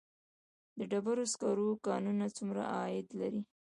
د ډبرو سکرو کانونه څومره عاید لري؟